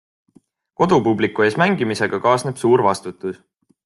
Kodupubliku ees mängimisega kaasneb suur vastutus.